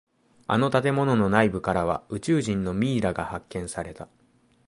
あの建物の内部からは宇宙人のミイラが発見された。